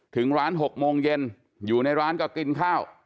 ถึงร้าน๖โมงเย็นอยู่ในร้านก็กินข้าว